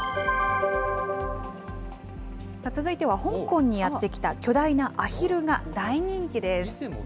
続いては香港にやって来た巨大なアヒルが大人気です。